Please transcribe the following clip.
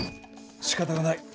しかたがない。